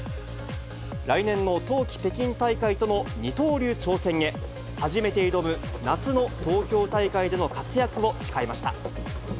来年の冬季北京大会との二刀流挑戦へ、初めて挑む夏の東京大会での活躍を誓いました。